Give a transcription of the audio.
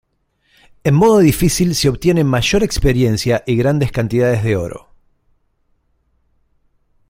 En modo difícil se obtiene mayor experiencia y grandes cantidades de oro.